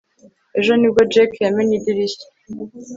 Ejo nibwo Jake yamennye idirishya